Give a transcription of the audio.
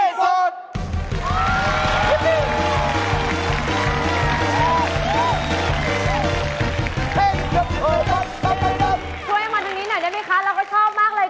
ช่วยมาดูนี้หน่อยนะเยี่ยมี่คะเราก็ชอบมากเลย